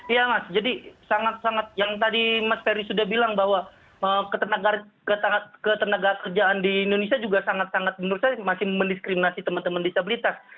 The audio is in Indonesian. iya mas jadi sangat sangat yang tadi mas ferry sudah bilang bahwa ketenaga kerjaan di indonesia juga sangat sangat menurut saya masih mendiskriminasi teman teman disabilitas